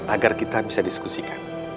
agar kita bisa diskusikan